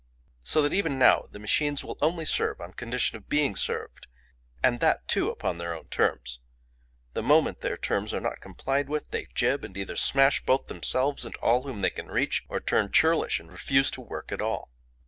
"So that even now the machines will only serve on condition of being served, and that too upon their own terms; the moment their terms are not complied with, they jib, and either smash both themselves and all whom they can reach, or turn churlish and refuse to work at all.